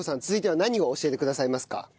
続いては何を教えてくださいますか？